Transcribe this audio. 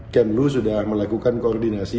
kemlu sudah melakukan koordinasi